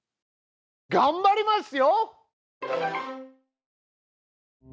がんばりますよ！